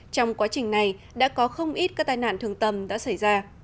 trong quá trình này đã có không ít các tai nạn thường tâm đã xảy ra